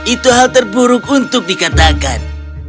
itu hal terburuk untuk dikatakan